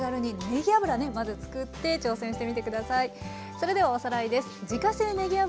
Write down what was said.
それではおさらいです。